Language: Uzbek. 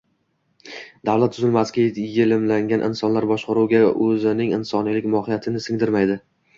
Davlat tuzilmasiga yelimlangan insonlar boshqaruvga o‘zining insoniylik mohiyatini singdirmaydi